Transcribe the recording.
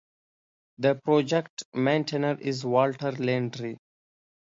The project maintainer is Walter Landry.